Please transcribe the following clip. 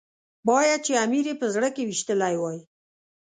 باید چې امیر یې په زړه کې ويشتلی وای.